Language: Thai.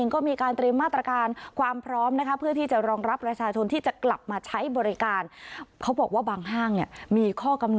ค่อยทยอยออกมาทยอยออกมา